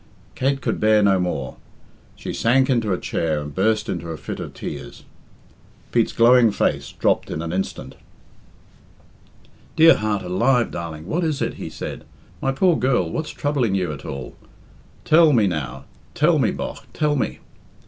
Kate could bear no more. She sank into a chair and burst into a fit of tears. Pete's glowing face dropped in an instant. "Dear heart alive, darling, what is it?" he said. "My poor girl, what's troubling you at all? Tell me, now tell me, bogh, tell me."